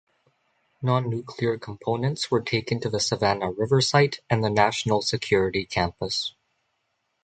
Non-nuclear components were taken to the Savannah River Site and the National Security Campus.